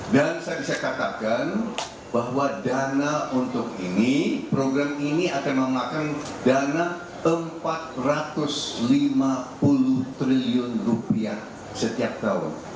dan saya bisa katakan bahwa dana untuk ini program ini akan mengamalkan dana empat ratus lima puluh triliun rupiah setiap tahun